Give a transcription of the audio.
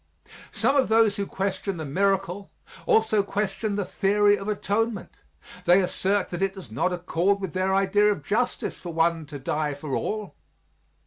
Some of those who question the miracle also question the theory of atonement; they assert that it does not accord with their idea of justice for one to die for all.